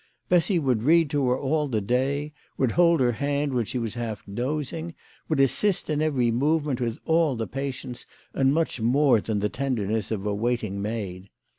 Bessy would read to her all the day, would hold her hand when she was half dozing, would assist in every movement with all the patience and much more than the tenderness of a waiting maid.